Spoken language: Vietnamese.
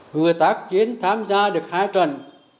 hứa tác chiến tham gia được hai trần